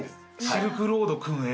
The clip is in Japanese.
「シルクロード君へ」